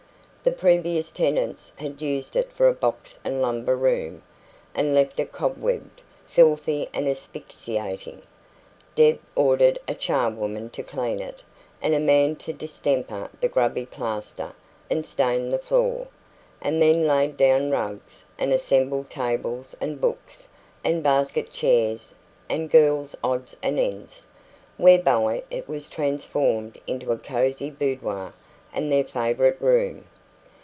The previous tenants had used it for a box and lumber room, and left it cobwebbed, filthy and asphyxiating. Deb ordered a charwoman to clean it, and a man to distemper the grubby plaster and stain the floor, and then laid down rugs, and assembled tables and books, and basket chairs, and girls' odds and ends; whereby it was transformed into a cosy boudoir and their favourite room.